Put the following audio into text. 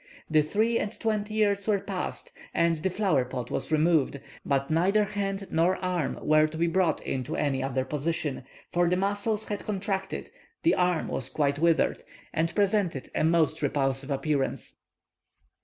The three and twenty years were passed, and the flower pot was removed; but neither hand nor arm were to be brought into any other position, for the muscles had contracted, the arm was quite withered, and presented a most repulsive appearance.